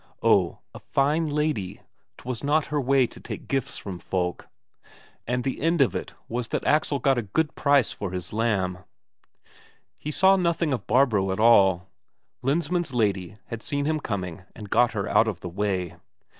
Oh, a fine lady, 'twas not her way to take gifts from folk! And the end of it was that Axel got a good price for his lamb. He saw nothing of Barbro at all. Lensmand's lady had seen him coming, and got her out of the way.